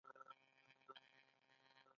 د جوارو تخم باید په قطار وکرل شي که پاش؟